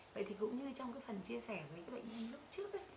vậy thì cũng như trong phần chia sẻ với các bạn lúc trước